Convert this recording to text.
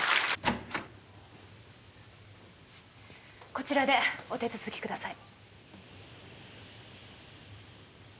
こちらでお手続きください。